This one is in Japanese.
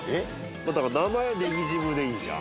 まあだから名前ねぎジムでいいじゃん